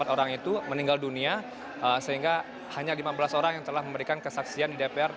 dan tiga orang itu meninggal dunia sehingga hanya lima belas orang yang telah memberikan kesaksian di dpr